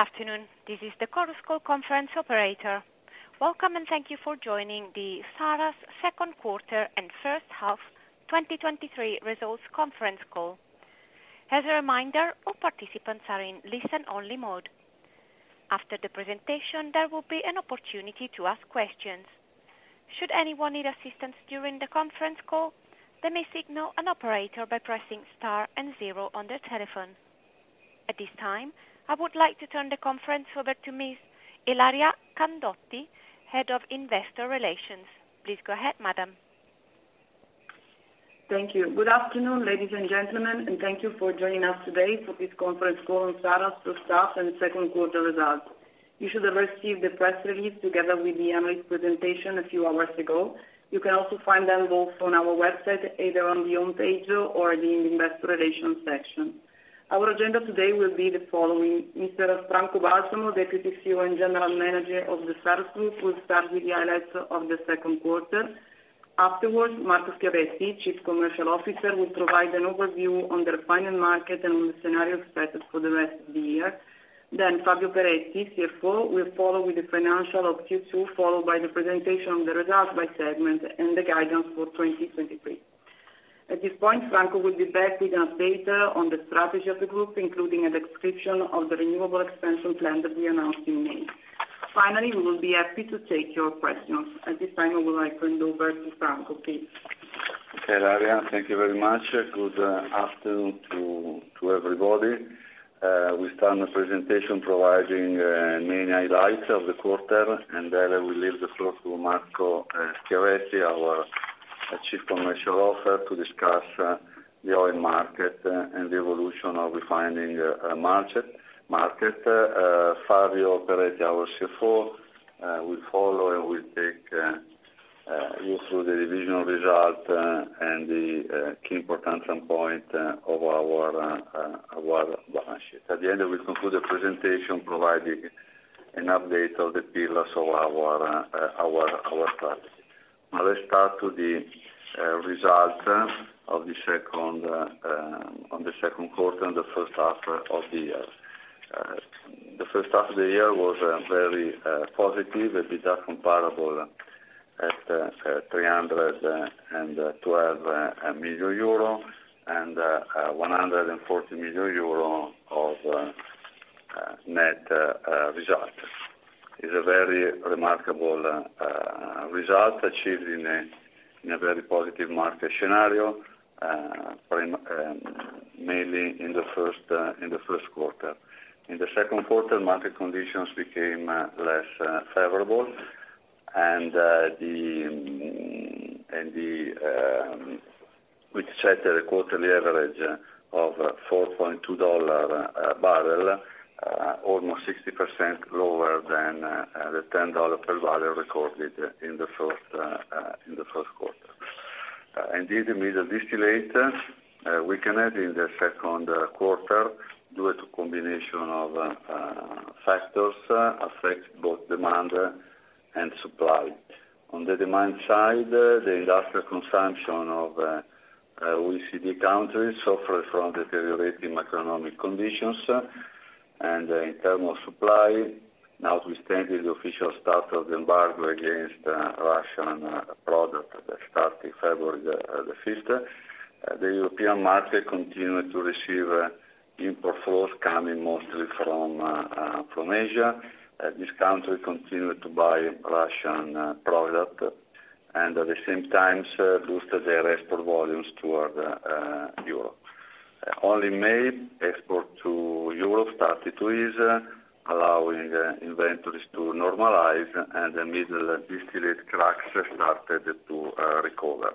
Good afternoon. This is the Chorus Call Conference operator. Welcome, and thank you for joining the Saras Second Quarter and First Half 2023 Results Conference Call. As a reminder, all participants are in listen only mode. After the presentation, there will be an opportunity to ask questions. Should anyone need assistance during the conference call, they may signal an operator by pressing star and zero on their telephone. At this time, I would like to turn the conference over to Ms. Ilaria Candotti, Head of Investor Relations. Please go ahead, madam. Thank you. Good afternoon, ladies and gentlemen, thank you for joining us today for this conference call on Saras first half and second quarter results. You should have received the press release together with the analyst presentation a few hours ago. You can also find them both on our website, either on the home page or in the investor relations section. Our agenda today will be the following: Mr. Franco Balsamo, Deputy CEO and General Manager of the Saras Group, will start with the highlights of the second quarter. Afterwards, Marco Schiavetti, Chief Commercial Officer, will provide an overview on the refining market and on the scenario expected for the rest of the year. Fabio Peretti, CFO, will follow with the financial of Q2, followed by the presentation on the results by segment and the guidance for 2023. At this point, Franco will be back with an update on the strategy of the group, including a description of the renewable expansion plan that we announced in May. Finally, we will be happy to take your questions. At this time, I would like to hand over to Franco, please. Okay, Ilaria, thank you very much. Good afternoon to everybody. We start the presentation providing main highlights of the quarter, and then I will leave the floor to Marco Schiavetti, our Chief Commercial Officer, to discuss the oil market and the evolution of refining market. Fabio Peretti, our CFO, will follow and will take you through the divisional result and the key potential point of our balance sheet. At the end, we conclude the presentation, providing an update of the pillars of our strategy. Now, let's start to the results of the second quarter and the first half of the year. The first half of the year was very positive, EBITDA comparable at 312 million euro and 140 million euro of net result. It's a very remarkable result achieved in a very positive market scenario, mainly in the first quarter. In the second quarter, market conditions became less favorable and the which set a quarterly average of $4.2 bbl, almost 60% lower than the $10 per bbl recorded in the first quarter. Indeed, the middle distillate weakening in the second quarter, due to combination of factors, affect both demand and supply. On the demand side, the industrial consumption of OECD countries suffer from deteriorating macroeconomic conditions. In terms of supply, notwithstanding the official start of the embargo against Russian product starting February the fifth, the European market continued to receive import flows coming mostly from Asia. This country continued to buy Russian product, and at the same time, boosted their export volumes toward Europe. Only May, export to Europe started to ease, allowing inventories to normalize and the middle distillate cracks started to recover.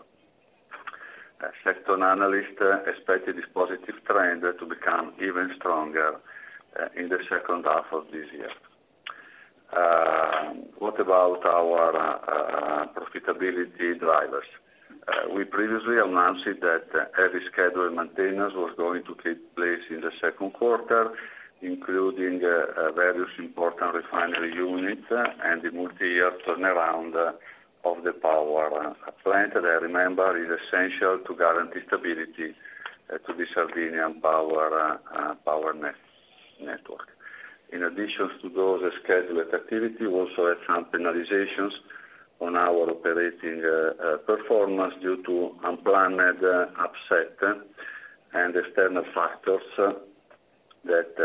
Sector analyst expected this positive trend to become even stronger in the second half of this year. What about our profitability drivers? We previously announced that every scheduled maintenance was going to take place in the second quarter, including various important refinery units and the multi-year turnaround of the power plant. Is essential to guarantee stability to the Slovenian power network. In addition to those scheduled activity, we also had some penalizations on our operating performance due to unplanned upset and external factors that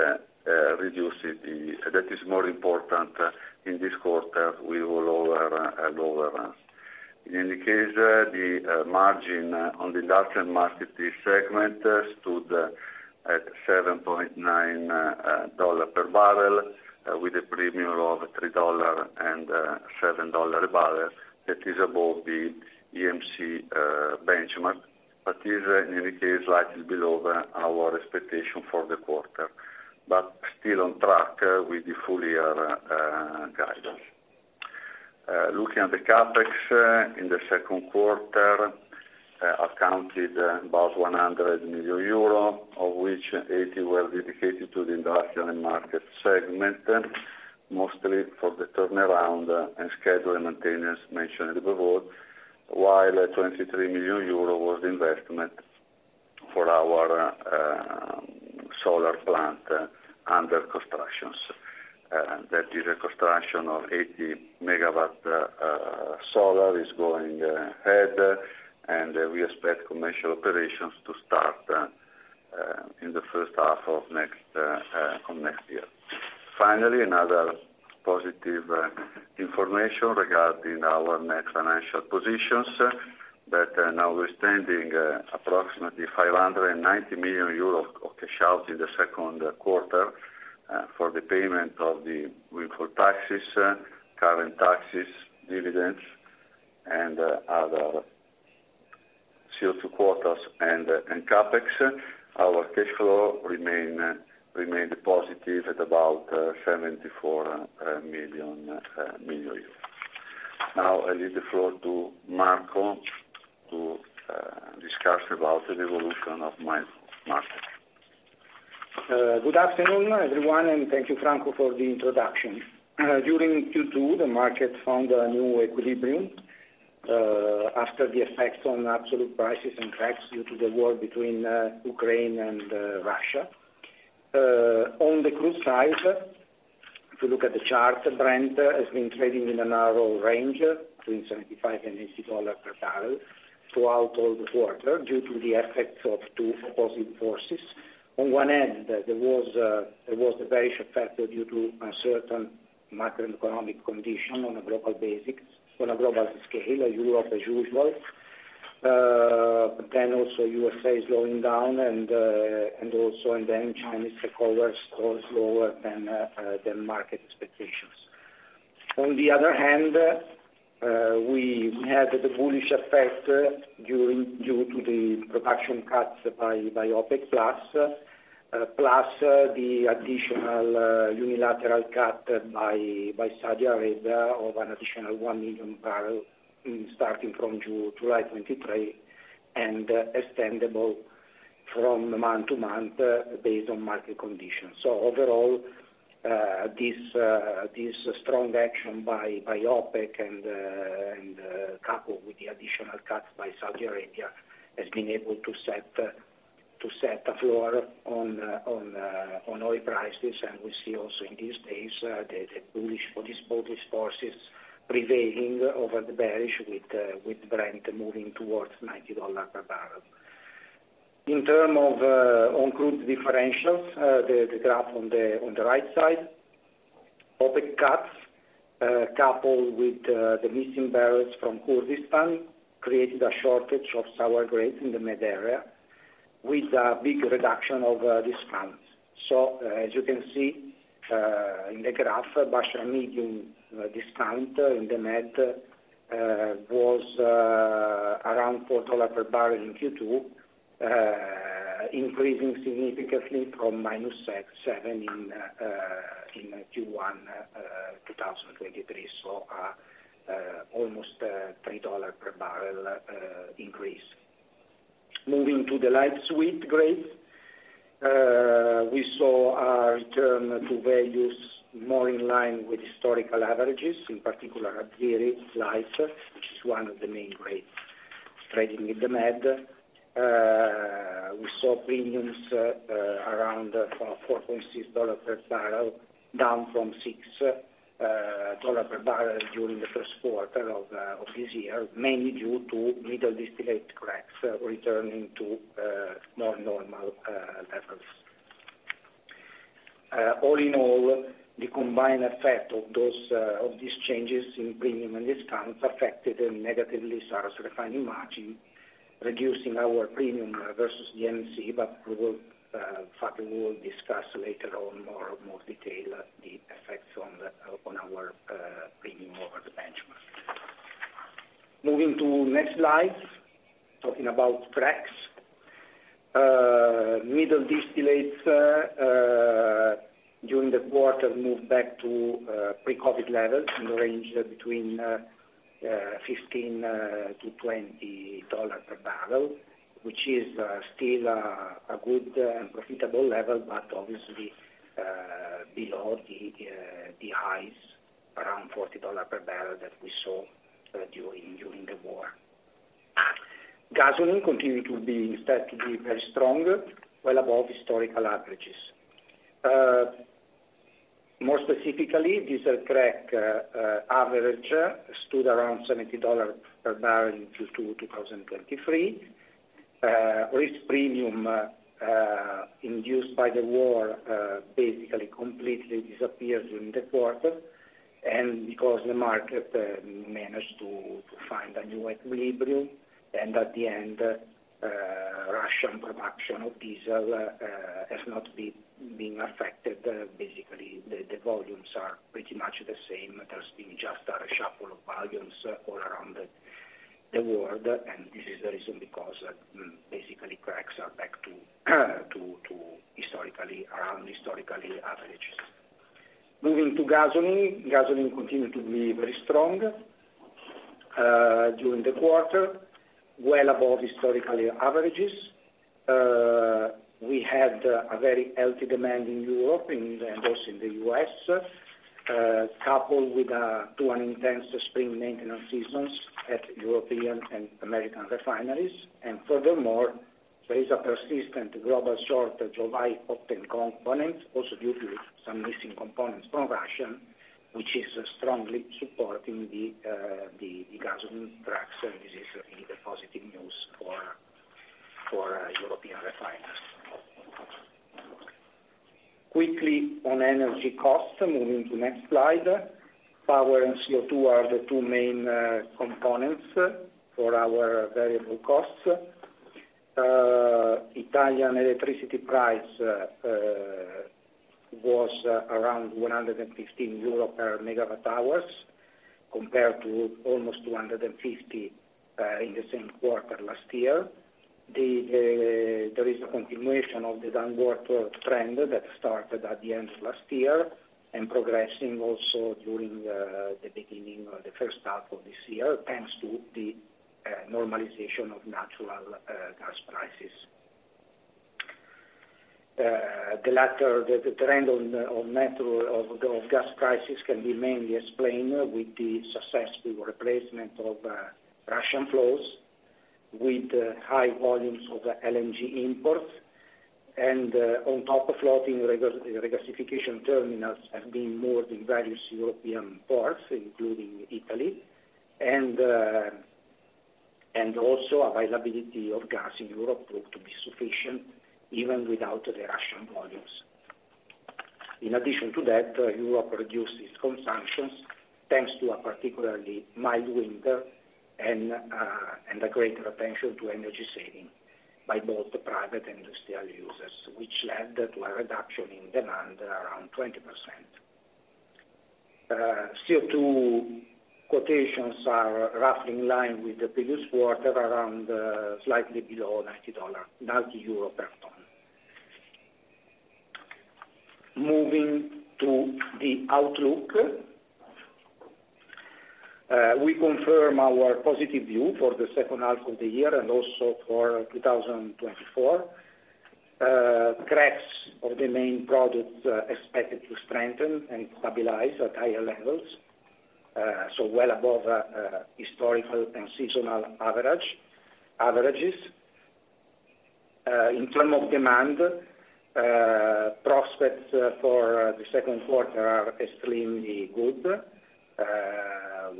That is more important in this quarter, we will lower. In any case, the margin on the industrial market, this segment stood at $7.9 bbl, with a premium of $3 and $7 bbl. That is above the EMC benchmark, but is in any case, slightly below our expectation for the quarter, but still on track with the full year guidance. Looking at the CapEx, in the second quarter, accounted about 100 million euro, of which 80 million were dedicated to the industrial and market segment, mostly for the turnaround and schedule and maintenance mentioned above, while 23 million euro was the investment for our solar plant under construction. That the reconstruction of 80 MW solar is going ahead, and we expect commercial operations to start in the first half of next year. Finally, another positive information regarding our net financial positions, that now we're standing approximately 590 million euros of cash out in the second quarter for the payment of the windfall taxes, current taxes, dividends, and other CO2 quotas and CapEx. Our cash flow remained positive at about 74 million. Now, I leave the floor to Marco to discuss about the evolution of mine. Marco? Good afternoon, everyone, thank you, Franco, for the introduction. During Q2, the market found a new equilibrium after the effects on absolute prices and cracks due to the war between Ukraine and Russia. On the crude side, if you look at the chart, Brent has been trading in a narrow range between $75 and $80 per bbl throughout all the quarter, due to the effects of two opposing forces. On one end, there was there was a bearish effect due to uncertain macroeconomic condition on a global basis, on a global scale, Europe as usual. Then also USA is going down and then Chinese recovery scores lower than market expectations. On the other hand, we had the bullish effect during... due to the production cuts by, by OPEC+, plus the additional, unilateral cut by, by Saudi Arabia, of an additional 1 million bbl, starting from June, July 2023, and extendable from month to month, based on market conditions. Overall, this, this strong action by, by OPEC and, and, coupled with the additional cuts by Saudi Arabia, has been able to set, to set a floor on, on, on oil prices. We see also in these days, the, the bullish, bullish, bullish forces prevailing over the bearish with, with Brent moving towards $90 per bbl. In term of on crude differentials, the graph on the right side, OPEC cuts, coupled with the missing barrels from Kurdistan, created a shortage of sour grade in the med area, with a big reduction of discounts. As you can see, in the graph, Basra Medium discount in the med was around $4 per bbl in Q2, increasing significantly from -7 in Q1 2023. Almost $3 per bbl increase. Moving to the light sweet grade, we saw a return to values more in line with historical averages, in particular, at Urals, which is one of the main grades trading in the med. We saw premiums around $4.6 per bbl, down from $6 per bbl during the first quarter of this year, mainly due to middle distillate cracks returning to more normal levels. All in all, the combined effect of those of these changes in premium and discounts affected them negatively, Saras refining margin, reducing our premium versus the EMC. We will further discuss later on more detail the effects on our premium over the benchmark. Moving to next slide. Talking about cracks, middle distillates during the quarter moved back to pre-COVID levels in the range between $15-$20 per bbl, which is still a good and profitable level, but obviously below the highs, around $40 per bbl that we saw during, during the war. Gasoline continued to be, instead to be very strong, well above historical averages. More specifically, diesel crack average stood around $70 per bbl in Q2 2023. Risk premium induced by the war basically completely disappeared during the quarter. Because the market managed to find a new equilibrium, and at the end, Russian production of diesel has not been affected, basically, the volumes are pretty much the same. There's been just a reshuffle of volumes all around the, the world. This is the reason because, basically, cracks are back to historical, around historical averages. Moving to gasoline. Gasoline continued to be very strong during the quarter, well above historical averages. We had a very healthy demand in Europe, and, and also in the U.S. Coupled with an intense spring maintenance seasons at European and American refineries. Furthermore, there is a persistent global shortage of high octane components, also due to some missing components from Russia, which is strongly supporting the, the gasoline cracks, and this is really the positive news for, for European refiners. Quickly on energy costs, moving to next slide. Power and CO2 are the two main components for our variable costs. Italian electricity price was around 115 euro per MWh, compared to almost 250 in the same quarter last year. There is a continuation of the downward trend that started at the end of last year, and progressing also during the beginning or the first half of this year, thanks to the normalization of natural gas prices. The latter, the trend on the natural gas prices can be mainly explained with the successful replacement of Russian flows with high volumes of LNG imports. On top of floating regasification, terminals have been more in various European ports, including Italy. Also availability of gas in Europe proved to be sufficient even without the Russian volumes. In addition to that, Europe reduced its consumption, thanks to a particularly mild winter and a greater attention to energy saving by both the private and industrial users, which led to a reduction in demand around 20%. CO2 quotations are roughly in line with the previous quarter, around slightly below EUR 90 per ton. Moving to the outlook, we confirm our positive view for the second half of the year and also for 2024. Cracks of the main products expected to strengthen and stabilize at higher levels, so well above historical and seasonal averages. In terms of demand, prospects for the second quarter are extremely good.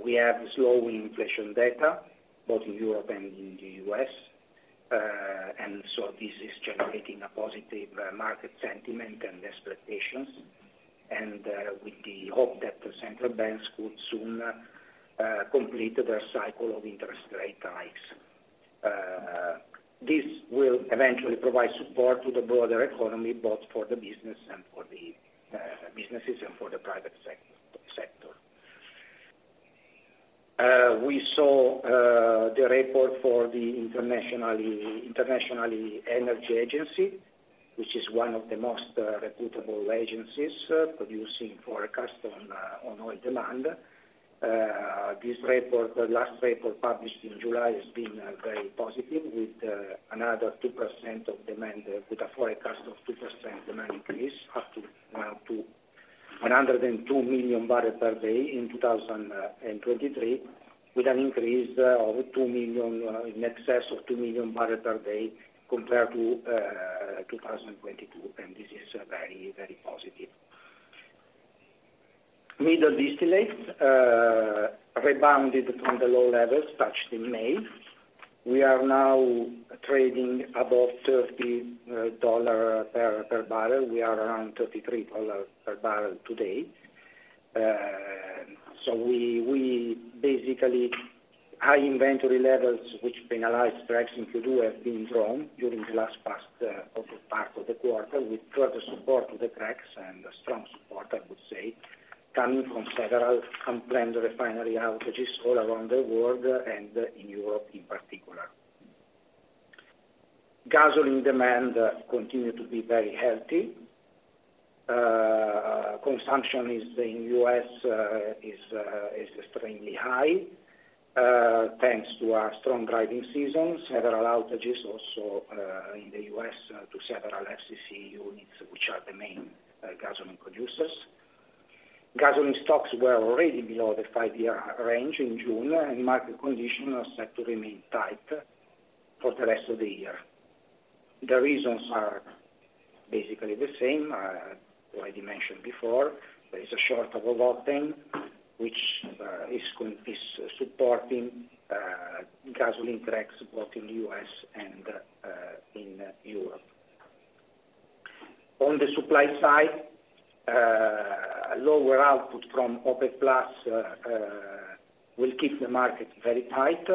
We have slowing inflation data, both in Europe and in the U.S., and so this is generating a positive market sentiment and expectations, and with the hope that the central banks could soon complete their cycle of interest rate hikes. This will eventually provide support to the broader economy, both for the business and for the businesses and for the private sector. We saw the report for the internationally, International Energy Agency, which is one of the most reputable agencies producing forecast on oil demand. This report, the last report published in July, has been very positive, with another 2% of demand, with a forecast of 2% demand increase up to, well, to 102 million barrel per day in 2023, with an increase of two million in excess of 2 million bbl per day compared to 2022. This is very, very positive. Middle distillates rebounded from the low levels touched in May. We are now trading above $30 per bbl. We are around $33 per bbl today. We, we basically, high inventory levels, which penalize cracks in Q2, have been drawn during the last part of the part of the quarter, which further support to the cracks and a strong support, I would say, coming from several unplanned refinery outages all around the world and in Europe in particular. Gasoline demand continue to be very healthy. Consumption is, in U.S., is extremely high, thanks to a strong driving season, several outages also in the U.S., to several FCC units, which are the main gasoline producers. Gasoline stocks were already below the five-year range in June, market conditions are set to remain tight for the rest of the year. The reasons are basically the same, I dimensioned before. There is a short of octane, which is going... is supporting, gasoline cracks, both in the U.S. and, in Europe. On the supply side, lower output from OPEC+, will keep the market very tight,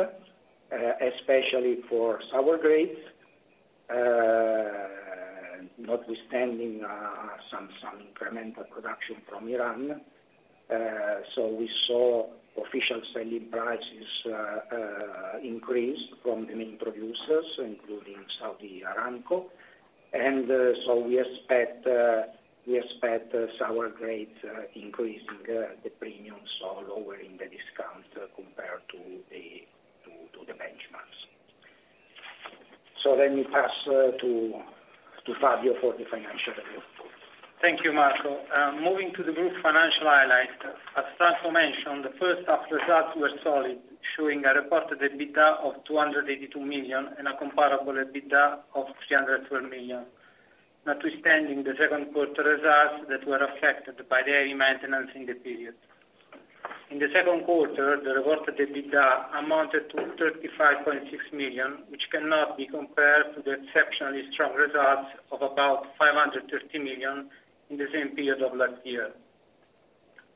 especially for sour grades, notwithstanding, some, some incremental production from Iran. We saw official selling prices, increase from the main producers, including Saudi Aramco. We expect, we expect sour grades, increasing, the premiums or lowering the discount compared to the-... Let me pass, to, to Fabio for the financial review, please. Thank you, Marco. Moving to the group financial highlights, as Franco mentioned, the first half results were solid, showing a reported EBITDA of 282 million and a comparable EBITDA of 312 million. Notwithstanding the second quarter results that were affected by the heavy maintenance in the period. In the second quarter, the reported EBITDA amounted to 35.6 million, which cannot be compared to the exceptionally strong results of about 530 million in the same period of last year.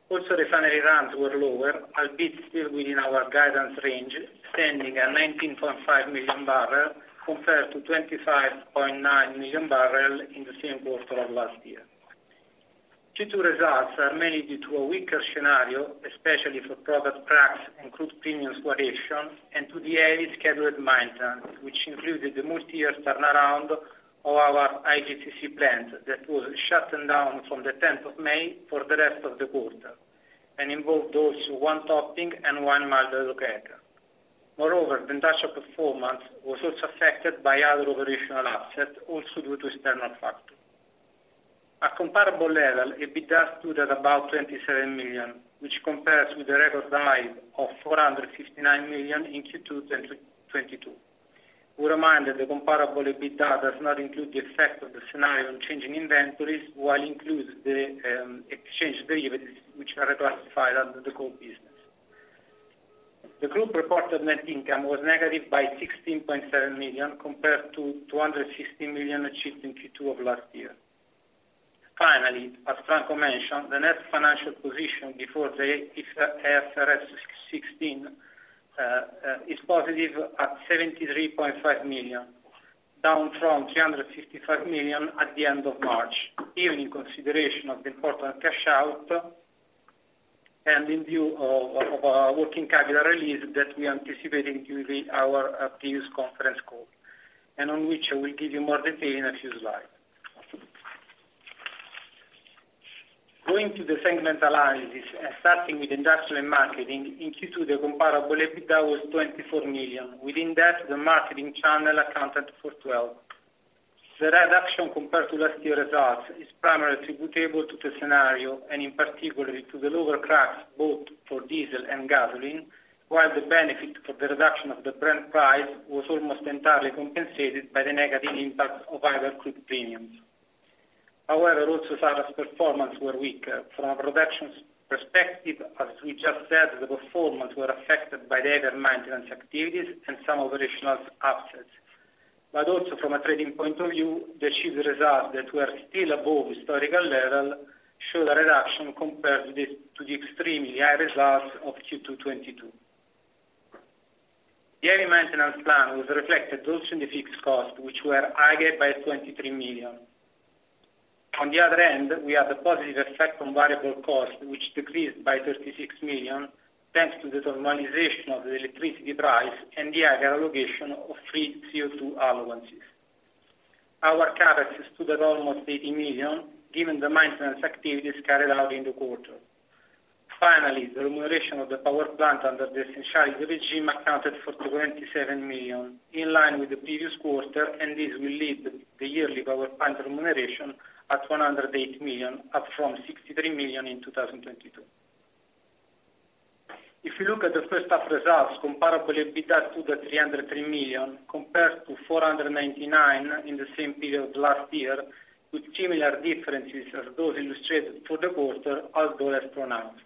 Refinery runs were lower, albeit still within our guidance range, standing at 19.5 million bbl, compared to 25.9 million bbl in the same quarter of last year. Q2 results are mainly due to a weaker scenario, especially for product cracks and crude premium variations, and to the heavy scheduled maintenance, which included the multi-year turnaround of our IGCC plant, that was shut down from the 10th of May for the rest of the quarter, involved also one topping and one mild hydrocracker. The industrial performance was also affected by other operational upsets, also due to external factors. At comparable level, EBITDA stood at about 27 million, which compares with the record high of 459 million in Q2 2022. We remind that the comparable EBITDA does not include the effect of the scenario on changing inventories, while includes the exchange derivatives, which are reclassified under the core business. The group reported net income was negative by 16.7 million, compared to 260 million achieved in Q2 of last year. Finally, as Franco mentioned, the net financial position before the IFRS 16 is positive at 73.5 million, down from 355 million at the end of March, even in consideration of the important cash out, and in view of our working capital release that we anticipated during our previous conference call, and on which I will give you more detail in a few slides. Going to the segment analysis and starting with Industrial and Marketing, in Q2, the comparable EBITDA was 24 million. Within that, the marketing channel accounted for 12 million. The reduction compared to last year results is primarily attributable to the scenario, and in particular, to the lower cracks, both for diesel and gasoline, while the benefit for the reduction of the Brent price was almost entirely compensated by the negative impact of higher crude premiums. Also, Saras' performance were weaker. From a production perspective, as we just said, the performance were affected by the higher maintenance activities and some operational upsets. Also from a trading point of view, the achieved results that were still above historical level, show a reduction compared to the, to the extremely high results of Q2 2022. The annual maintenance plan was reflected also in the fixed cost, which were higher by 23 million. On the other end, we have a positive effect on variable cost, which decreased by 36 million, thanks to the normalization of the electricity price and the higher allocation of free CO2 allowances. Our CapEx stood at almost 80 million, given the maintenance activities carried out in the quarter. Finally, the remuneration of the power plant under the essentiality regime accounted for 27 million, in line with the previous quarter, and this will lead the yearly power plant remuneration at 108 million, up from 63 million in 2022. If you look at the first half results, comparable EBITDA to the 303 million, compared to 499 million in the same period last year, with similar differences as those illustrated for the quarter, although as pronounced.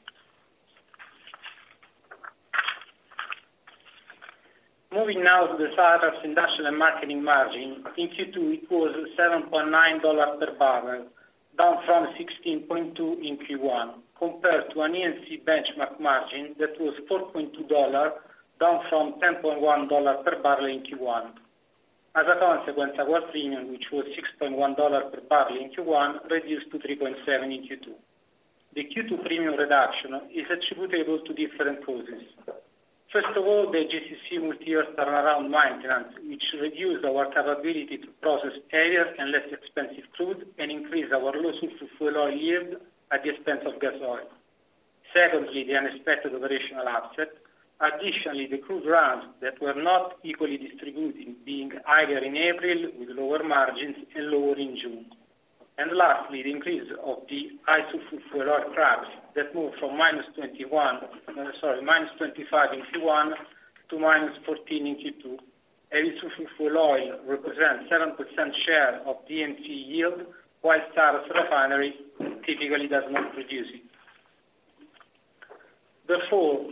Moving now to the Saras Industrial and Marketing margin, in Q2, it was $7.9 per bbl, down from $16.2 in Q1, compared to an EMC benchmark margin that was $4.2, down from $10.1 per bbl in Q1. As a consequence, our premium, which was $6.1 per bbl in Q1, reduced to $3.7 in Q2. The Q2 premium reduction is attributable to different causes. First of all, the FCC multi-year turnaround maintenance, which reduced our capability to process heavier and less expensive crude and increased our losses to fuel oil yield at the expense of gas oil. Secondly, the unexpected operational upset. Additionally, the crude runs that were not equally distributed, being higher in April with lower margins and lower in June. Lastly, the increase of the high sulfur fuel oil cracks that moved from -21, sorry, -25 in Q1 to -14 in Q2. The sulfur fuel oil represents 7% share of EMC yield, while Saras Refinery typically does not produce it. Therefore,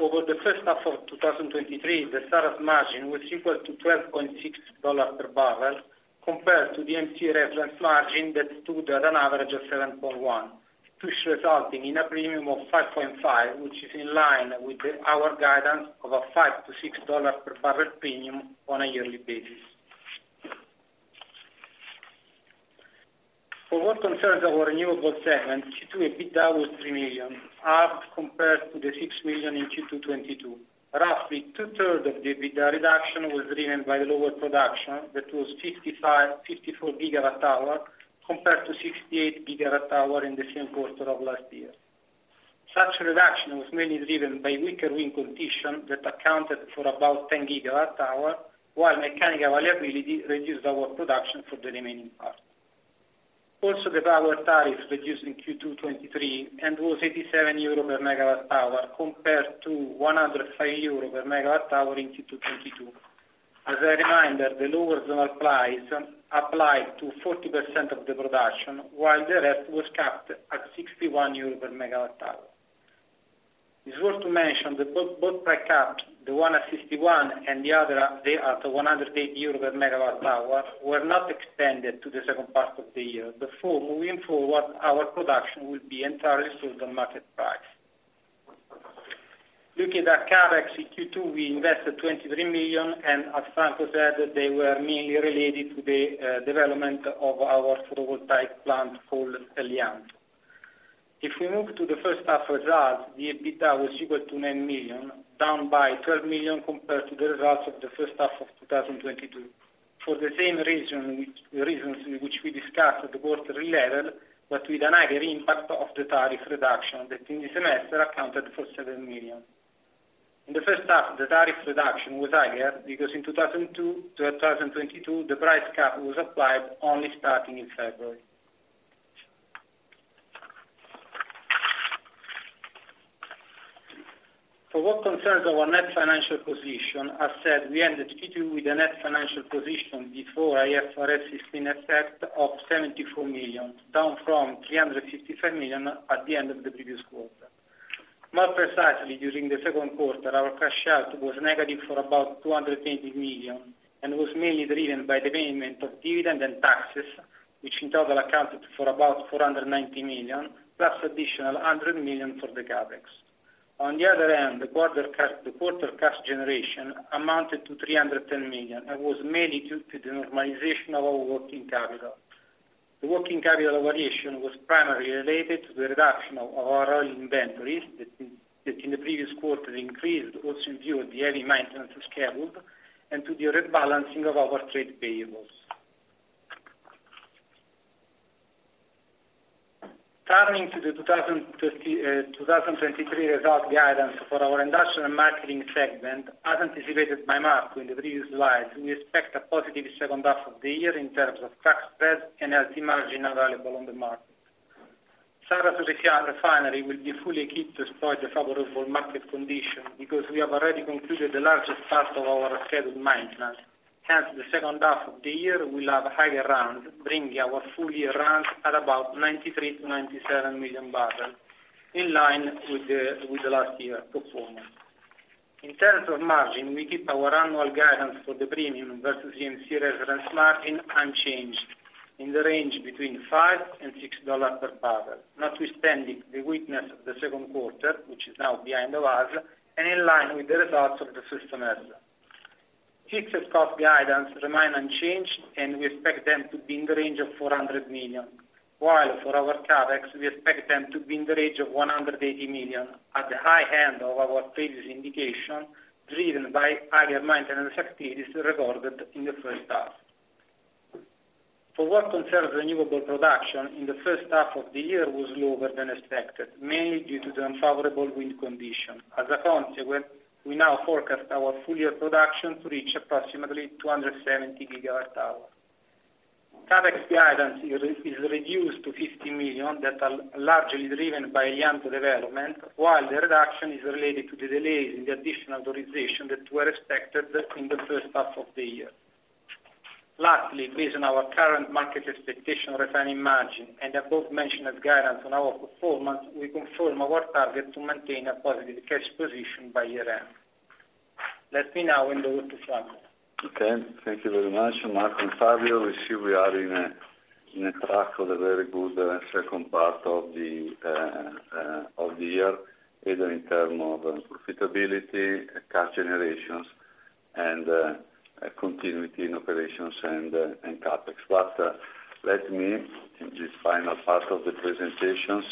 over the first half of 2023, the Saras margin was equal to $12.6 per bbl, compared to the EMC reference margin that stood at an average of 7.1, which resulting in a premium of $5.5, which is in line with our guidance of a $5-$6 per bbl premium on a yearly basis. For what concerns our renewable segment, Q2 EBITDA was $3 million, up compared to the $6 million in Q2 2022. Roughly 2/3 of the EBITDA reduction was driven by the lower production, that was 55, 54 GWh, compared to 68 GWh in the same quarter of last year. Such reduction was mainly driven by weaker wind condition that accounted for about 10 GWh, while mechanical availability reduced our production for the remaining part. Also, the power tariff reduced in Q2 2023, and was 87 euro per MWh, compared to 105 euro per MWh in Q2 2022. As a reminder, the lower zone applies, applied to 40% of the production, while the rest was capped at 61 euro per MWh. It's worth to mention that both, both price capped, the one at 61 and the other at 180 euro per MWh, were not extended to the second part of the year. Before moving forward, our production will be entirely sold on market price. Looking at CapEx in Q2, we invested 23 million, as Franco said, they were mainly related to the development of our photovoltaic plant called Helianto. We move to the first half results, the EBITDA was equal to 9 million, down by 12 million compared to the results of the first half of 2022. For the same reason, reasons in which we discussed at the quarterly level, with another impact of the tariff reduction, that in the semester accounted for 7 million. In the first half, the tariff reduction was higher, because in 2022, the price cap was applied only starting in February. For what concerns our net financial position, as said, we ended Q2 with a net financial position before IFRS is in effect of 74 million, down from 355 million at the end of the previous quarter. More precisely, during the second quarter, our cash out was negative for about 280 million, and was mainly driven by the payment of dividend and taxes, which in total accounted for about 490 million, plus additional 100 million for the CapEx. On the other hand, the quarter cash generation amounted to 310 million, and was mainly due to the normalization of our working capital. The working capital variation was primarily related to the reduction of our oil inventories, that in the previous quarter increased, also due to the heavy maintenance schedule, and to the rebalancing of our trade payables. Turning to the 2020, 2023 result guidance for our industrial and marketing segment, as anticipated by Marco in the previous slide, we expect a positive second half of the year in terms of crack spread and healthy margin available on the market. Saras Refinery will be fully equipped to exploit the favorable market condition, because we have already concluded the largest part of our scheduled maintenance. Hence, the second half of the year, we'll have higher round, bringing our full year round at about 93-97 million barrels, in line with the last year performance. In terms of margin, we keep our annual guidance for the premium versus EMC reference margin unchanged, in the range between $5 and $6 per bbl, notwithstanding the weakness of the second quarter, which is now behind the bars, and in line with the results of the first semester. Fixed cost guidance remain unchanged. We expect them to be in the range of $400 million. While for our CapEx, we expect them to be in the range of $180 million, at the high end of our previous indication, driven by higher maintenance activities recorded in the first half. For what concerns renewable production, in the first half of the year was lower than expected, mainly due to the unfavorable wind condition. As a consequence, we now forecast our full year production to reach approximately 270 GWh. CapEx guidance is reduced to 50 million, that are largely driven by Helianto development, while the reduction is related to the delays in the additional authorization that were expected in the first half of the year. Lastly, based on our current market expectation, refining margin, and above mentioned as guidance on our performance, we confirm our target to maintain a positive cash position by year end. Let me now hand over to Franco. Okay, thank you very much, Marco and Fabio. We see we are in a track of a very good second part of the year, either in term of profitability, cash generations, and continuity in operations and CapEx. Let me, in this final part of the presentations,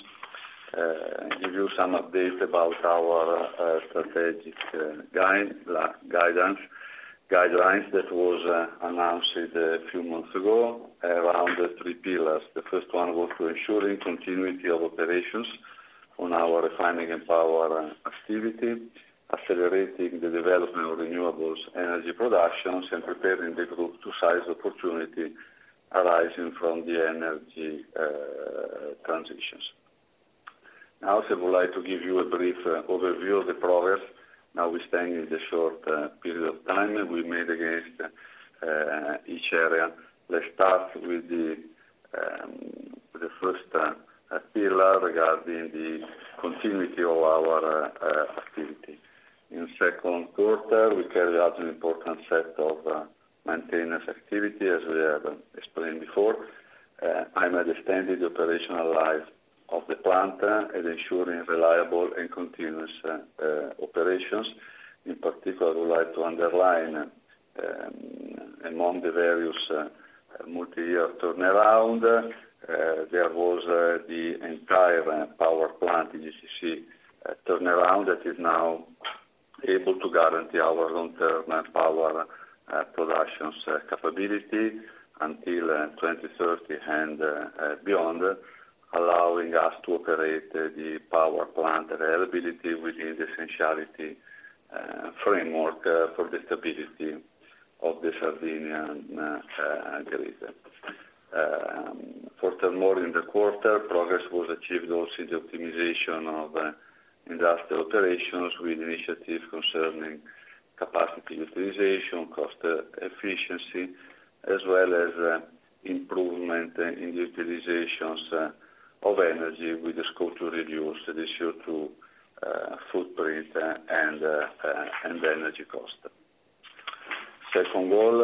give you some updates about our strategic guide, guidance, guidelines, that was announced a few months ago around the three pillars. The first one was to ensuring continuity of operations on our refining and power activity, accelerating the development of renewables energy productions, and preparing the Group to seize opportunity arising from the energy transitions. Now, I would like to give you a brief overview of the progress. Now we stand in the short period of time, we made against each area. Let's start with the first pillar regarding the continuity of our activity. In second quarter, we carried out an important set of maintenance activity, as we have explained before. Aimed at extending the operational life of the plant and ensuring reliable and continuous operations. In particular, I would like to underline among the various multi-year turnaround, there was the entire power plant in IGCC turnaround that is now... Able to guarantee our long-term power productions capability until 2030 and beyond, allowing us to operate the power plant availability within the essentiality framework for the stability of the Sardinian grid. Furthermore, in the quarter, progress was achieved also the optimization of industrial operations, with initiatives concerning capacity utilization, cost efficiency, as well as improvement in the utilizations of energy, with the scope to reduce the CO2 footprint, and energy cost. Second goal,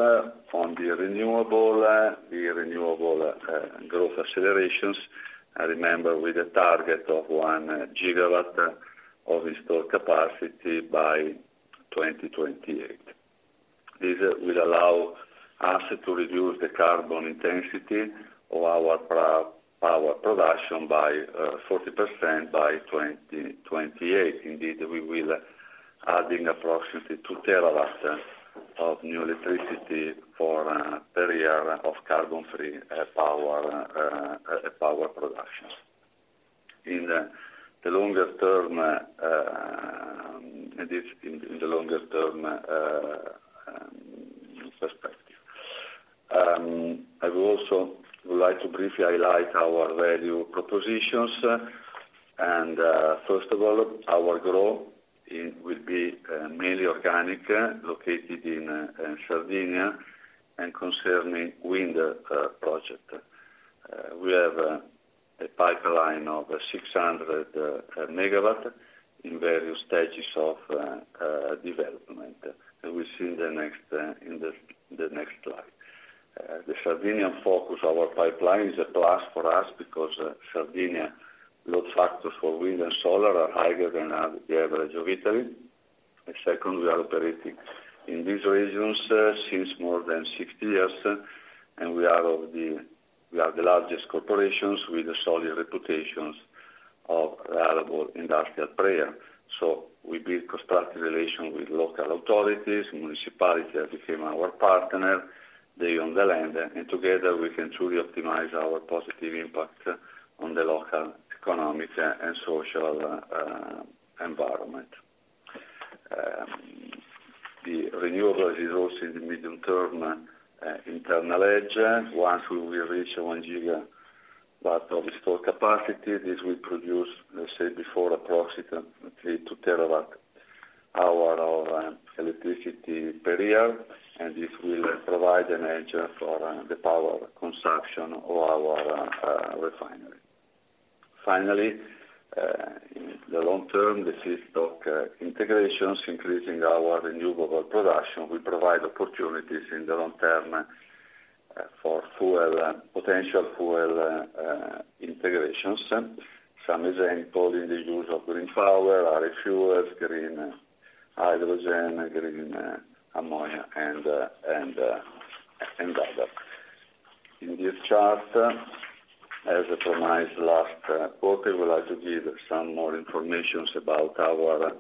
on the renewable, the renewable growth accelerations, I remember with a target of 1 GW of installed capacity by 2028. This will allow us to reduce the carbon intensity of our power production by 40% by 2028. Indeed, we will adding approximately 2 TW of new electricity for per year of carbon-free power power productions. In the longer term, this in the longer term perspective. I would also would like to briefly highlight our value propositions. First of all, our growth, it will be mainly organic, located in Sardinia, concerning wind project. We have a pipeline of 600 MW in various stages of development. We see in the next, the next slide. The Sardinian focus, our pipeline, is a plus for us, because Sardinia load factor for wind and solar are higher than the average of Italy. Second, we are operating in these regions since more than 60 years. We are the largest corporations with a solid reputation of reliable industrial player. We build constructive relations with local authorities. Municipality have become our partner. They own the land. Together, we can truly optimize our positive impact on the local economic and social environment. The renewable is also in the medium-term internal edge. Once we will reach 1 GW of store capacity, this will produce, let's say, before, approximately 2 TW hour of electricity per year, and this will provide an edge for the power consumption of our refinery. Finally, in the long term, the system of integrations, increasing our renewable production, will provide opportunities in the long term for fuel, potential fuel, integrations. Some example, in the use of green power, biofuels, green hydrogen, green ammonia, and and and other. In this chart, as promised, last quarter, we would like to give some more informations about our,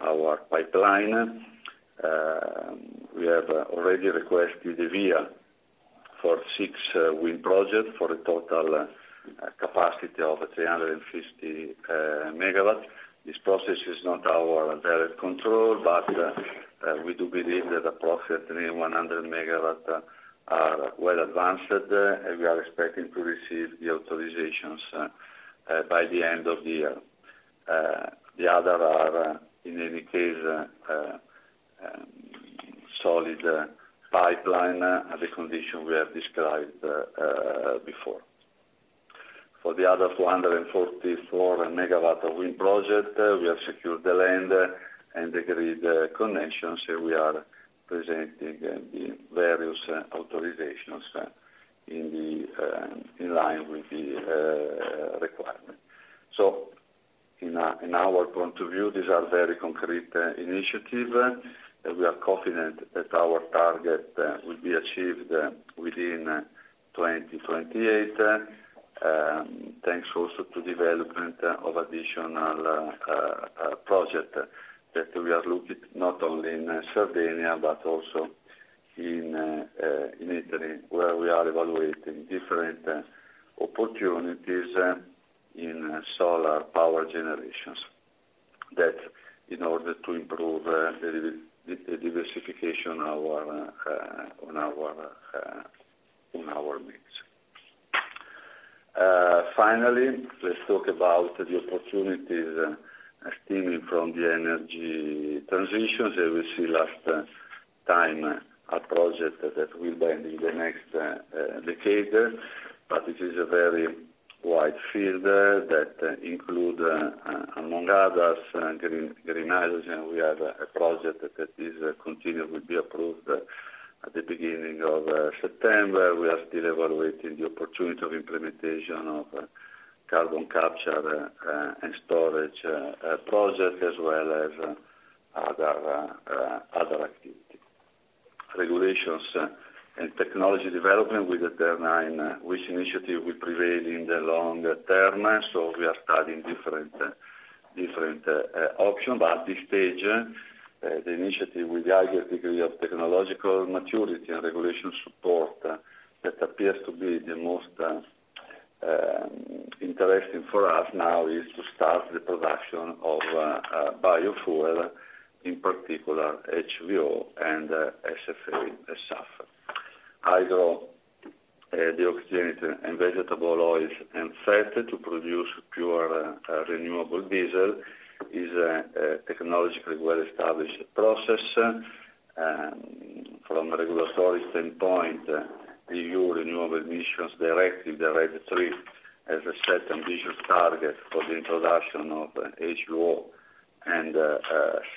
our pipeline. We have already requested the VIA for six wind projects, for a total capacity of 350 MW. This process is not our direct control, we do believe that approximately 100 MW are well advanced, and we are expecting to receive the authorizations by the end of the year. The other are, in any case, solid pipeline, the condition we have described before. For the other 444 MW of wind project, we have secured the land and the grid connections, we are presenting the various authorizations in the in line with the requirement. In in our point of view, these are very concrete initiative, and we are confident that our target will be achieved within 2028. Thanks also to development of additional project that we are looking not only in Sardinia, but also in Italy, where we are evaluating different opportunities in solar power generations that in order to improve the diversification our, on our, in our mix. Finally, let's talk about the opportunities stemming from the energy transitions, and we see last time, a project that will be in the next decade, but it is a very wide field that include among others, green, green hydrogen. We have a project that is continuing, will be approved at the beginning of September. We are still evaluating the opportunity of implementation of carbon capture and storage project as well as other other activities. regulations and technology development will determine which initiative will prevail in the longer term. We are studying different, different option, but at this stage, the initiative with the higher degree of technological maturity and regulation support that appears to be the most interesting for us now is to start the production of biofuel, in particular, HVO and SAF. Hydrodeoxygenated and vegetable oils and fat to produce pure renewable diesel is technologically well-established process. From a regulatory standpoint, the EU Renewable Energy Directive, the RED III, has a set ambitious target for the introduction of HVO and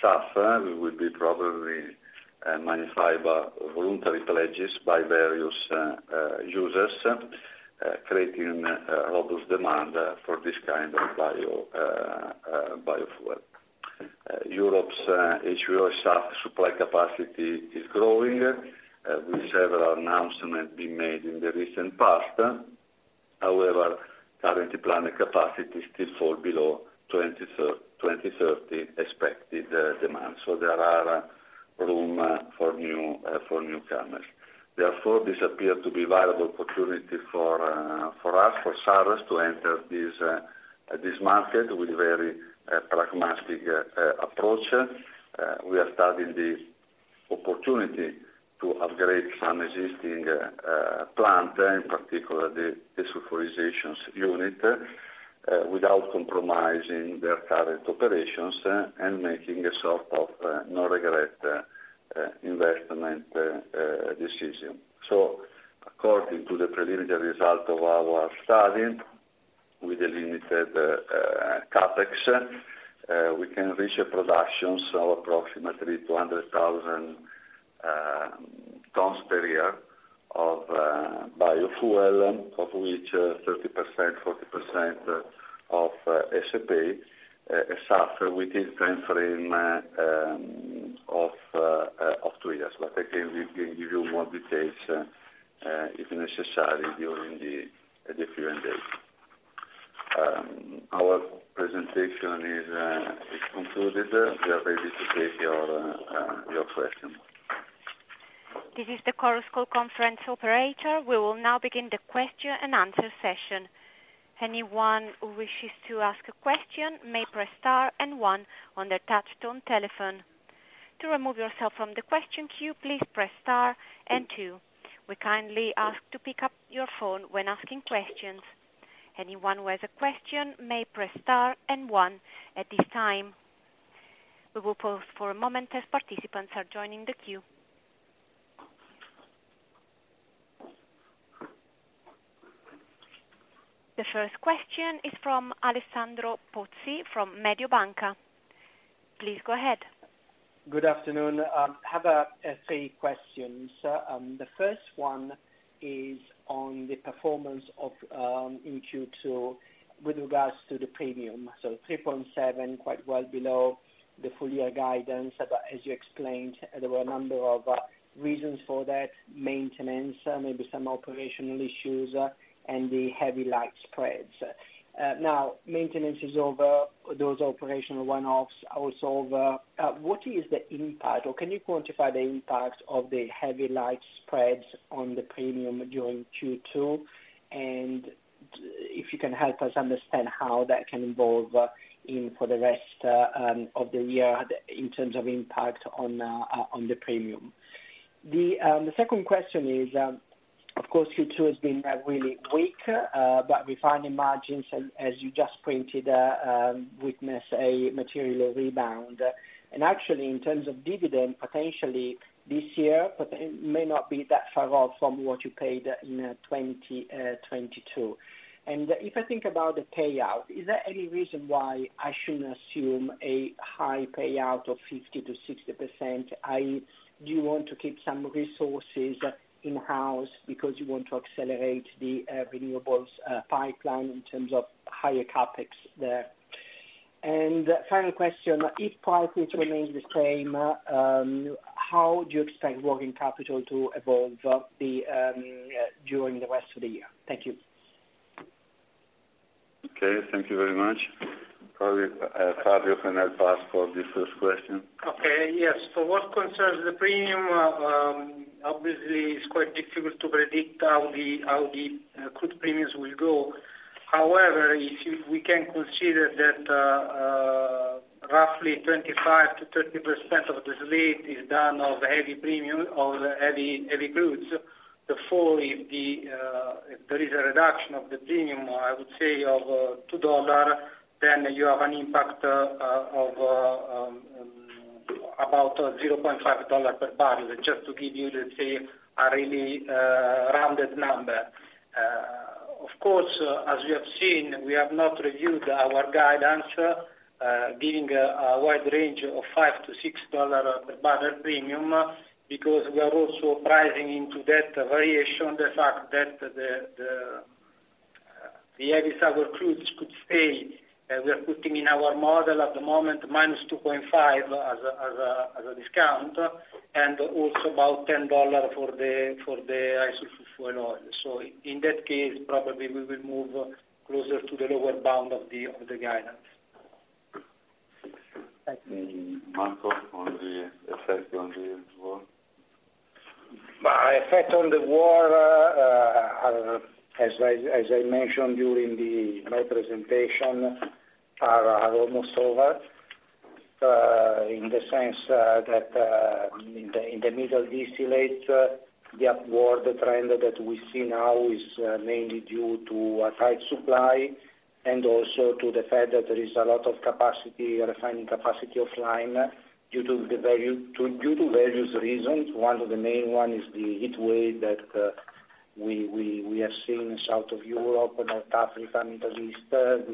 SAF. We will be probably modified by voluntary pledges by various users, creating robust demand for this kind of biofuel. Europe's HVO SAF supply capacity is growing with several announcement being made in the recent past. However, current planning capacity still fall below 2030 expected demand. There are room for new for newcomers. Therefore, this appears to be viable opportunity for us, for Saras, to enter this market with very pragmatic approach. We are studying the opportunity to upgrade some existing plant, in particular, the desulfurization unit without compromising their current operations and making a sort of no regret investment decision. According to the preliminary result of our study, with the limited CapEx, we can reach a production, approximately 200,000 tons per year of biofuel, of which 30%, 40% of SAF, within timeframe of two years. I can give, give you more details, if necessary, during the Q&A. Our presentation is concluded. We are ready to take your question. This is the Chorus Call Conference operator. We will now begin the question and answer session. Anyone who wishes to ask a question may press star and one on their touchtone telephone. To remove yourself from the question queue, please press star and Two. We kindly ask to pick up your phone when asking questions. Anyone who has a question may press star and one at this time. We will pause for a moment as participants are joining the queue. The first question is from Alessandro Pozzi, from Mediobanca. Please go ahead. Good afternoon. I have three questions. The first one is on the performance of Q2 with regards to the premium. 3.7, quite well below the full year guidance, as you explained, there were a number of reasons for that: maintenance, maybe some operational issues, and the heavy light spreads. Maintenance is over. Those operational one-offs are also over. What is the impact, or can you quantify the impact of the heavy light spreads on the premium during Q2? If you can help us understand how that can evolve in for the rest of the year in terms of impact on the premium. The second question is, of course, Q2 has been really weak, but refining margins, as you just printed, witness a material rebound. Actually, in terms of dividend, potentially this year, but it may not be that far off from what you paid in 2022. If I think about the payout, is there any reason why I shouldn't assume a high payout of 50%-60%? Do you want to keep some resources in-house because you want to accelerate the renewables pipeline in terms of higher CapEx there? Final question: if pricing remains the same, how do you expect working capital to evolve during the rest of the year? Thank you. Okay, thank you very much. Probably, Fabio can help us for this first question. Okay, yes. What concerns the premium, obviously, it's quite difficult to predict how the crude premiums will go. However, we can consider that roughly 25%-30% of this rate is done of heavy premium, of heavy, heavy crudes. Therefore, if there is a reduction of the premium, I would say of $2, then you have an impact of about $0.5 per bbl, just to give you the say, a really rounded number. Of course, as you have seen, we have not reviewed our guidance, giving a wide range of $5-$6 per bbl premium, because we are also pricing into that variation, the fact that the... The heavy sour crudes could stay, and we are putting in our model at the moment, -2.5 as a discount, and also about $10 for the high sulfur fuel oil. In that case, probably we will move closer to the lower bound of the guidance. Thank you. Marco, on the effect on the war? By effect on the war, as I mentioned during my presentation, are almost over. In the sense that, in the middle distillate, the upward trend that we see now is mainly due to a tight supply, and also to the fact that there is a lot of capacity, refining capacity offline due to various reasons. One of the main ones is the heat wave that we are seeing south of Europe, North Africa, Middle East,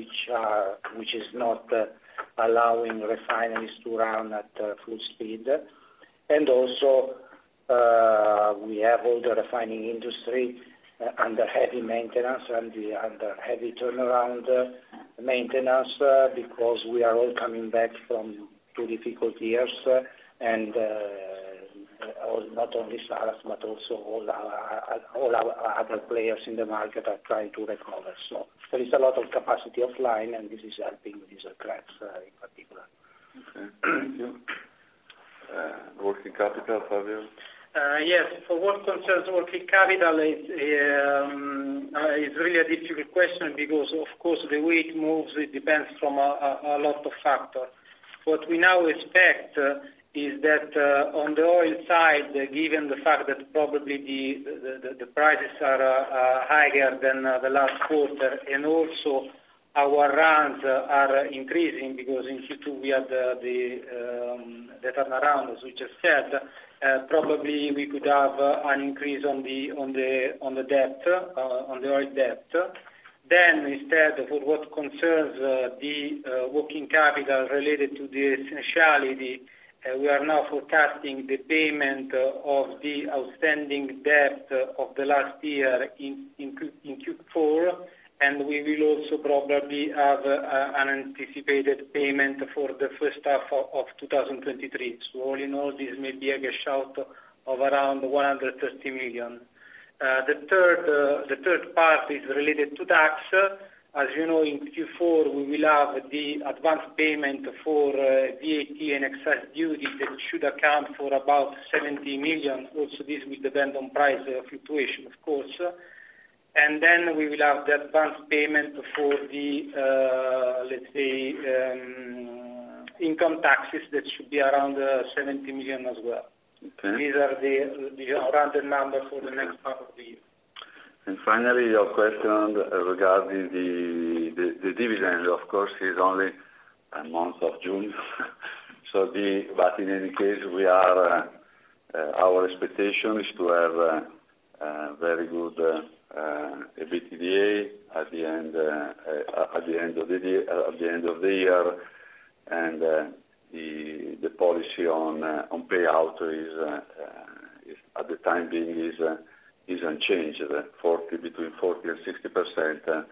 which is not allowing refineries to run at full speed. Also, we have all the refining industry under heavy maintenance and under heavy turnaround maintenance, because we are all coming back from two difficult years. Not only us, but also all our, all our other players in the market are trying to recover. There is a lot of capacity offline, and this is helping these cracks in particular. Okay, thank you. Working capital, Fabio? Yes. For what concerns working capital, it is really a difficult question because, of course, the way it moves, it depends from a lot of factor. What we now expect is that on the oil side, given the fact that probably the prices are higher than the last quarter, and also our rounds are increasing, because in Q2, we had the turnaround, as we just said, probably we could have an increase on the debt, on the oil debt. Instead, for what concerns the working capital related to the essentiality, we are now forecasting the payment of the outstanding debt of the last year in Q4, and we will also probably have an anticipated payment for the first half of 2023. All in all, this may be a gush out of around 130 million. The third, the third part is related to tax. As you know, in Q4, we will have the advanced payment for VAT and excise duty that should account for about 70 million. This will depend on price fluctuation, of course. Then we will have the advanced payment for the, let's say, income taxes, that should be around 70 million as well. Okay. These are the rounded number for the next part of the year. Finally, your question regarding the dividend, of course, is only a month of June. But in any case, we are, our expectation is to have a very good EBITDA at the end, at the end of the year, at the end of the year. The policy on payout is at the time being, is unchanged, 40%, between 40% and 60%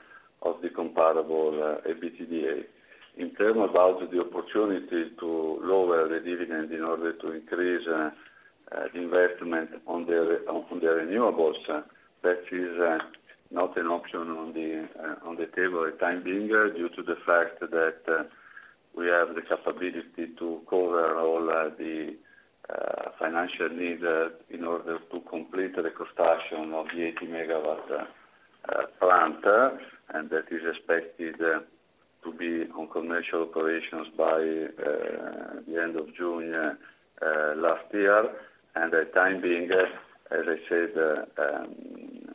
of the comparable EBITDA. In terms about the opportunity to lower the dividend in order to increase investment on the, on, on the renewables, that is not an option on the, on the table at time being, due to the fact that we have the capability to cover all the financial needs in order to complete the construction of the 80 MW plant, and that is expected to be on commercial operations by the end of June last year. The time being, as I said,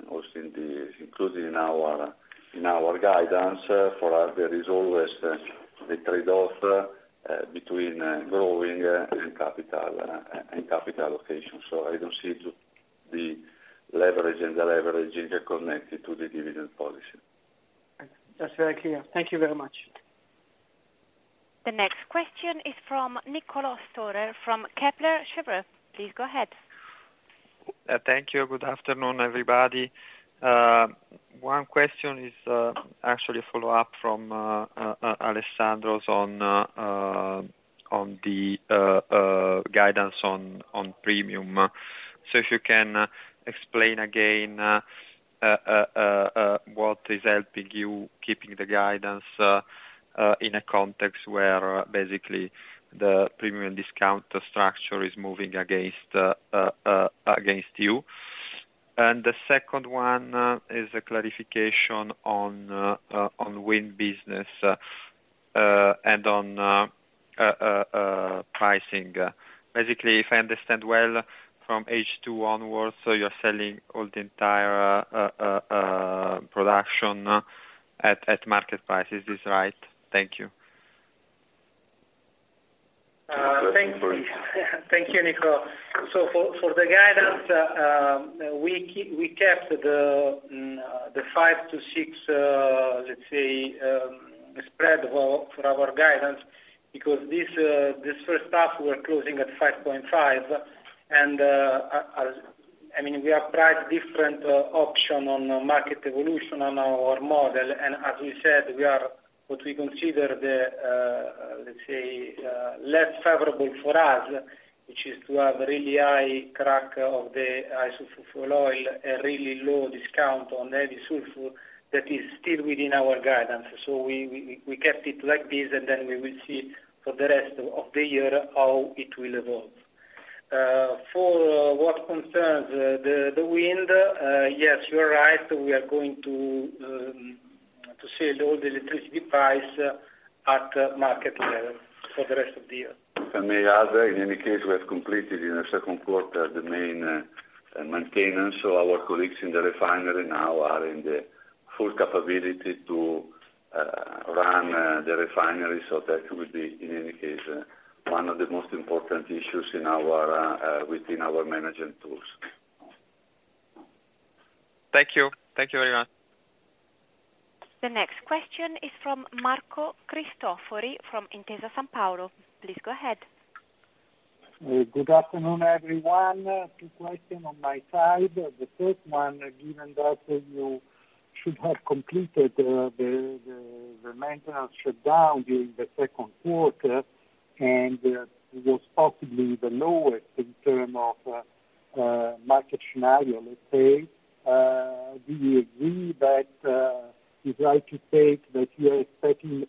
also in the, including in our, in our guidance, for us, there is always the trade-off between growing and capital and capital allocation. I don't see the leverage and the leverage connected to the dividend policy. That's very clear. Thank you very much. The next question is from Niccolo Storer, from Kepler Cheuvreux. Please go ahead. Thank you. Good afternoon, everybody. One question is, actually a follow-up from, Alessandro's on, on the, guidance on, on premium. If you can, explain again, what is helping you keeping the guidance, in a context where basically the premium discount structure is moving against, against you? The second one, is a clarification on, on wind business, and on, pricing. Basically, if I understand well, from H2 onwards, you're selling all the entire, production at, at market price. Is this right? Thank you. Thank you. Thank you, Niccolo. For, for the guidance, we kept the five to six, let's say, spread for our guidance, because this first half, we're closing at 5.5. I mean, we have tried different option on the market evolution on our model, and as we said, we are what we consider the, let's say, less favorable for us, which is to have really high crack of the is low sulfur fuel oil, a really low discount on the heavy sulfur that is still within our guidance. We kept it like this, and then we will see for the rest of the year how it will evolve. For what concerns the wind, yes, you are right. We are going to sell all the electricity price at market level for the rest of the year. If I may add, in any case, we have completed in the second quarter the main maintenance, so our colleagues in the refinery now are in the full capability to run the refinery. That will be, in any case, one of the most important issues in our within our management tools. Thank you. Thank you very much. The next question is from Marco Cristofori from Intesa Sanpaolo. Please go ahead. Good afternoon, everyone. Two question on my side. The first one, given that you should have completed the maintenance shutdown during the second quarter, and it was possibly the lowest in term of market scenario, let's say, do you agree that is right to say that you are expecting,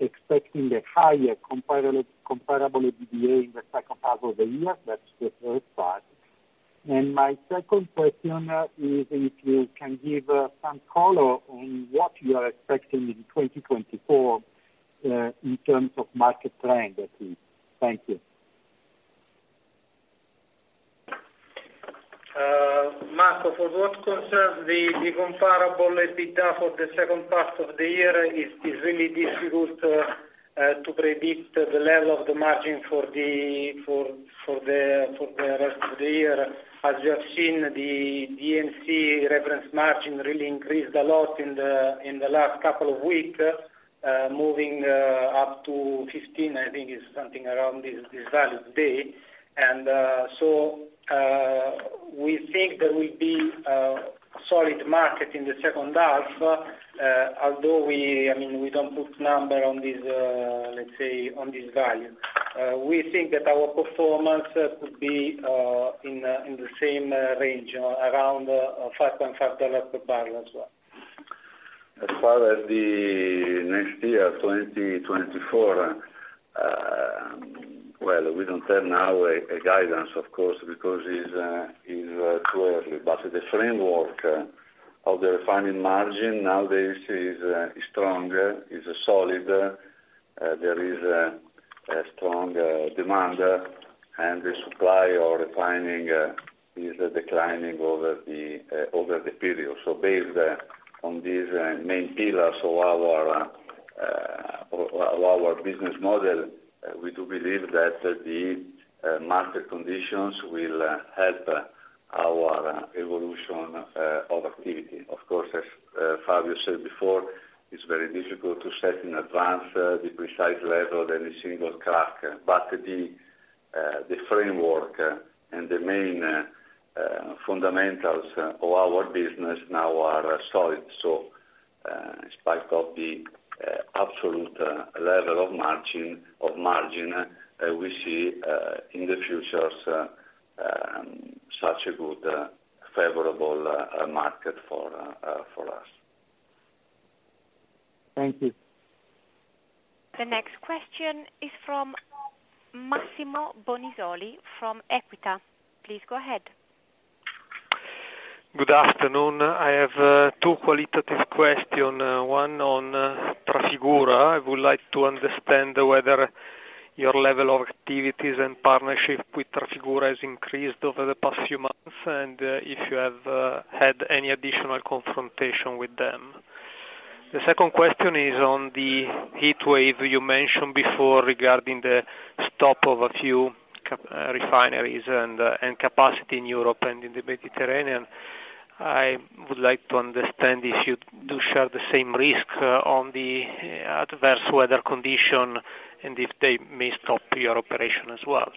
expecting a higher comparable, comparable EBITDA in the second half of the year? That's the first part. My second question is if you can give some color on what you are expecting in 2024 in terms of market trend, at least. Thank you. Marco, for what concerns the comparable EBITDA for the second part of the year, it is really difficult to predict the level of the margin for the rest of the year. As you have seen, the EMC reference margin really increased a lot in the last couple of weeks, moving up to 15, I think is something around this value today. We think there will be a solid market in the second half, although we, I mean, we don't put number on this, let's say, on this value. We think that our performance could be in the same range, around $5.5 per bbl as well. As far as the next year, 2024, well, we don't have now a guidance, of course, because it's, it's too early. The framework of the refining margin nowadays is stronger, is solid, there is a strong demand, and the supply or refining is declining over the over the period. Based on these main pillars of our of our business model, we do believe that the market conditions will help our evolution of activity. Of course, as Fabio said before, it's very difficult to set in advance the precise level of any single crack, but the framework and the main fundamentals of our business now are solid. In spite of the absolute level of margin, of margin, we see in the future such a good favorable market for us. Thank you. The next question is from Massimo Bonisoli from Equita. Please go ahead. Good afternoon. I have two qualitative question, one on Trafigura. I would like to understand whether your level of activities and partnership with Trafigura has increased over the past few months, and if you have had any additional confrontation with them. The second question is on the heat wave you mentioned before regarding the stop of a few refineries and and capacity in Europe and in the Mediterranean. I would like to understand if you do share the same risk on the adverse weather condition, and if they may stop your operation as well.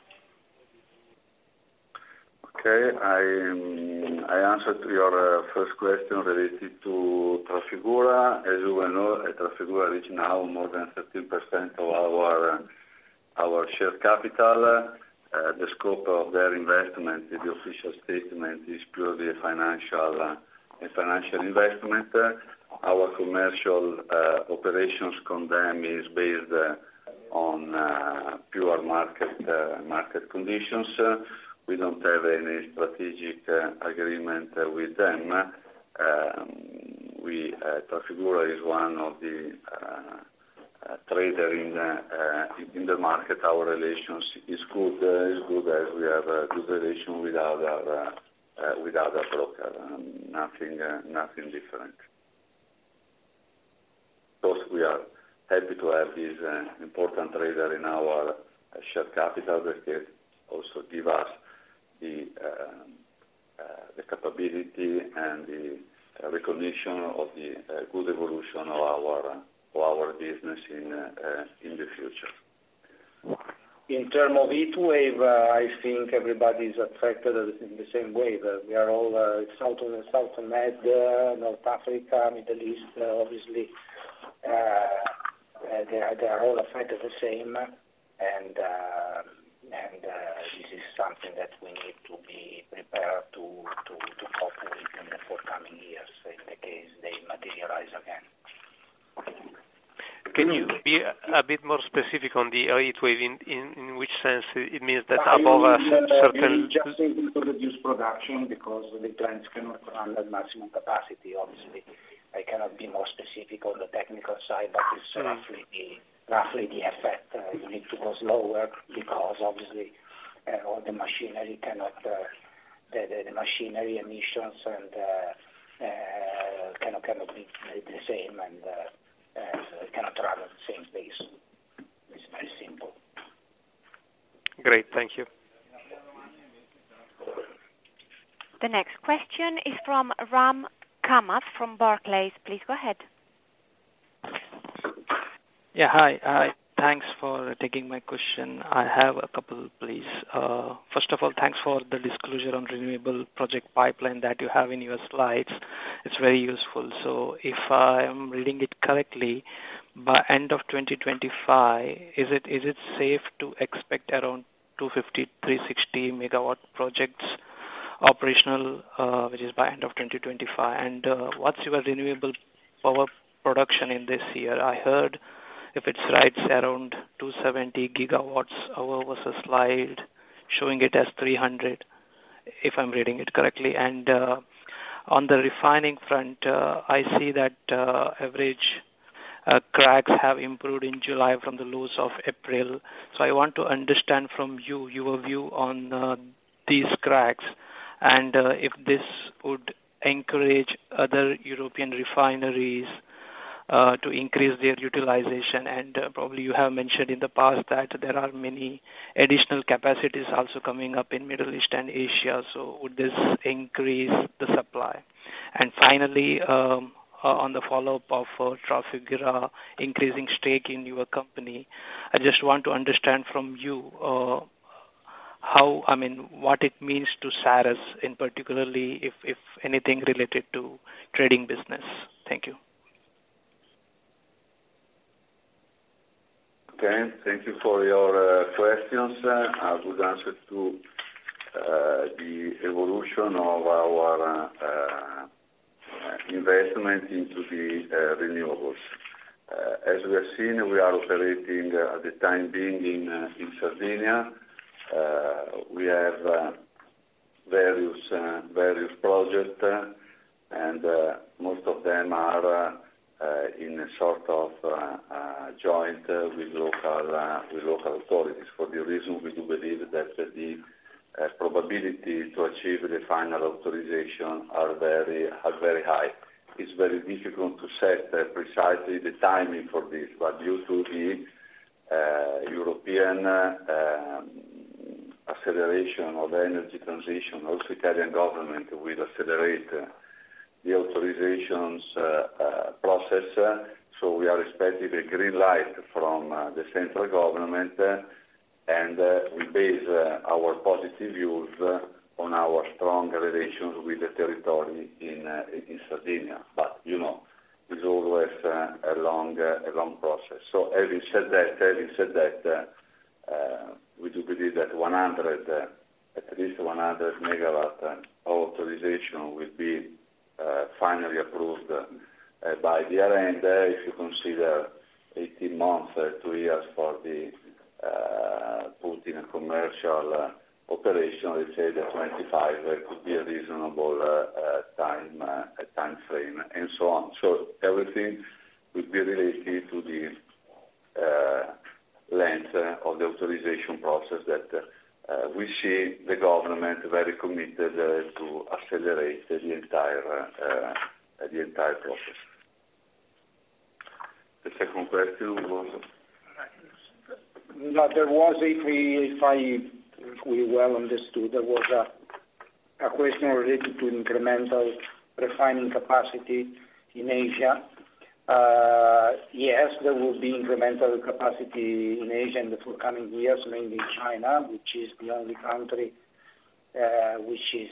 Okay, I, I answer to your first question related to Trafigura. As you well know, Trafigura is now more than 13% of our, our share capital. The scope of their investment, the official statement, is purely a financial, a financial investment. Our commercial operations with them is based on pure market, market conditions. We don't have any strategic agreement with them. We, Trafigura is one of the trader in the market. Our relations is good, is good, as we have a good relation with other, with other broker, nothing, nothing different. Of course, we are happy to have this important trader in our share capital. Because also give us the capability and the recognition of the good evolution of our, of our business in, in the future. In term of heat wave, I think everybody is affected in the same way. That we are all, south of the, south of Med, North Africa, Middle East, obviously, they are, they are all affected the same. This is something that we need to be prepared to cope with in the forthcoming years, in the case they materialize again. Can you be a bit more specific on the heat wave, in which sense it means that above a certain... Just simply to reduce production because the plants cannot run at maximum capacity. Obviously, I cannot be more specific on the technical side, but it's roughly the, roughly the effect. You need to go slower because obviously, all the machinery cannot, the, the machinery emissions and, cannot, cannot be the same and, cannot run at the same pace. It's very simple. Great, thank you. The next question is from Ram Kamath from Barclays. Please go ahead. Yeah, hi. Thanks for taking my question. I have a couple, please. First of all, thanks for the disclosure on renewable project pipeline that you have in your slides. It's very useful. If I am reading it correctly, by end of 2025, is it, is it safe to expect around 250-360 megawatt projects operational, which is by end of 2025? What's your renewable power production in this year? I heard, if it's right, around 270 GWh, was a slide showing it as 300, if I'm reading it correctly. On the refining front, I see that average cracks have improved in July from the lows of April. I want to understand from you, your view on these cracks, and if this would encourage other European refineries to increase their utilization. Probably you have mentioned in the past that there are many additional capacities also coming up in Middle East and Asia. Would this increase the supply? Finally, on the follow-up of Trafigura increasing stake in your company, I just want to understand from you, how... I mean, what it means to Saras, and particularly if, if anything related to trading business. Thank you. Okay, thank you for your questions. I would answer to the evolution of our investment into the renewables. As we have seen, we are operating at the time being in Sardinia. We have various various project and most of them are in a sort of joint with local with local authorities. For the reason we do believe that the probability to achieve the final authorization are very, are very high. It's very difficult to set precisely the timing for this, due to the European acceleration of energy transition, also Italian government will accelerate the authorizations process. We are expecting a green light from the central government and we base our positive views on our strong relations with the territory in Sardinia. You know, it's always a long, a long process. Having said that, having said that, we do believe that 100, at least 100 MW of authorization will be finally approved by the end. If you consider 18 months, two years for the put in a commercial operation, let's say that 25 could be a reasonable time, time frame, and so on. Everything will be related to the length of the authorization process that we see the government very committed to accelerate the entire, the entire process. The second question was? No, there was a if I, if we well understood, there was a question related to incremental refining capacity in Asia. Yes, there will be incremental capacity in Asia in the forthcoming years, mainly China, which is the only country, which is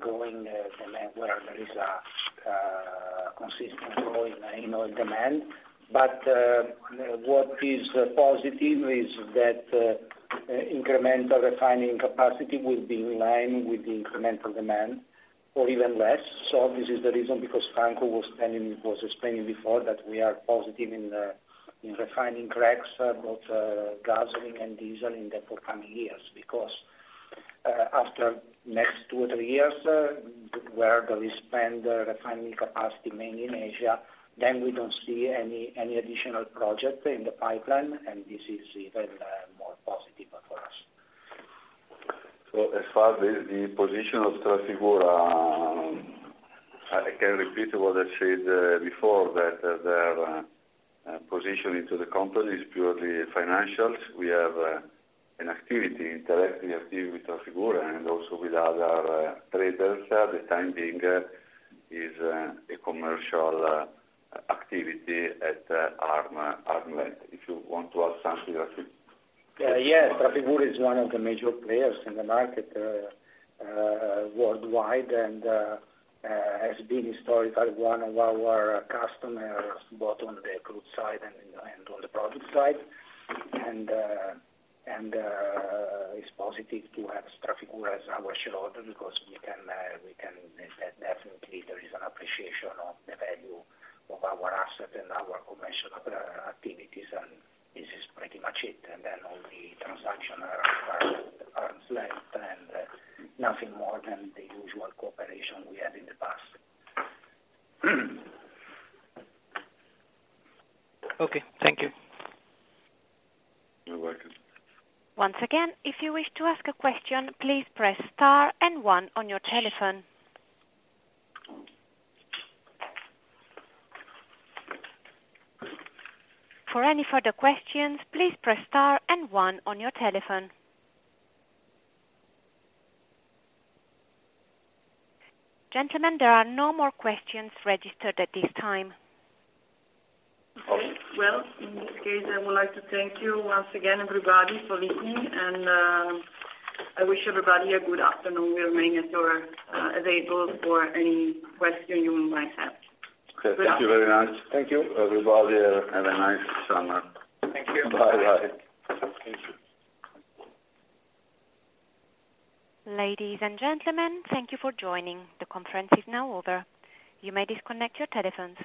growing demand, where there is a consistent growth in oil demand. What is positive is that incremental refining capacity will be in line with the incremental demand or even less. This is the reason because Franco was explaining, was explaining before, that we are positive in refining cracks, both gasoline and diesel in the forthcoming years. After next two or three years, where we spend the refining capacity, mainly in Asia, then we don't see any, any additional project in the pipeline, and this is even more positive for us. As far as the, the position of Trafigura, I can repeat what I said before, that their position into the company is purely financials. We have an activity, interactive activity with Trafigura and also with other traders. The time being is a commercial activity at arm, arm length. If you want to add something, Rafael? Yes, Trafigura is one of the major players in the market, worldwide and has been historically one of our customers, both on the crude side and on the product side. It's positive to have Trafigura as our shareholder, because we can... Definitely there is an appreciation of the value of our asset and our commercial activities, and this is pretty much it. Then only transaction are at arm length, nothing more than the usual cooperation we had in the past. Okay, thank you. You're welcome. Once again, if you wish to ask a question, please press star and one on your telephone. For any further questions, please press star and one on your telephone. Gentlemen, there are no more questions registered at this time. Okay, well, in this case, I would like to thank you once again, everybody, for listening, and I wish everybody a good afternoon. We remain at your available for any question you might have. Okay, thank you very much. Thank you. Everybody, have a nice summer. Thank you. Bye-bye. Thank you. Ladies and gentlemen, thank you for joining. The conference is now over. You may disconnect your telephones.